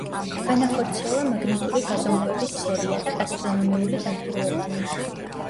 განახორციელა მაგნიტური გაზომვების სერია და ასტრონომიული დაკვირვებანი.